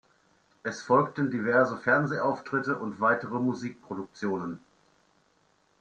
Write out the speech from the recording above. Es folgten diverse Fernsehauftritte und weitere Musikproduktionen.